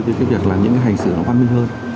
với cái việc là những hành xử nó văn minh hơn